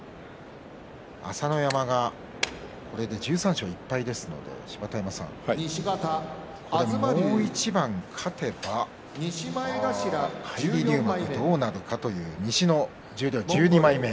朝乃山が１３勝１敗ですのでこれ、もう一番勝てば返り入幕どうなるかという西の十両１２枚目。